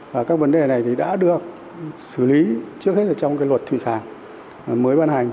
và các vấn đề này thì đã được xử lý trước hết là trong cái luật thủy sản mới ban hành